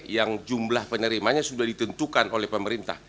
yang jumlah penerimanya sudah ditentukan oleh pemerintah